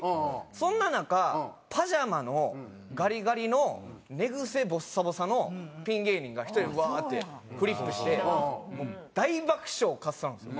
そんな中パジャマのガリガリの寝癖ぼっさぼさのピン芸人が１人うわーってフリップして大爆笑をかっさらうんですよ。